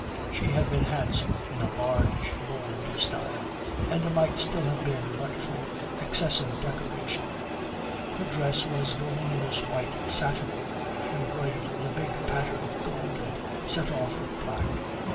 She had been handsome in a large, bold style, and might still have been but for excessive decoration. Her dress was voluminous white satin embroidered in a big pattern of gold and set off with black.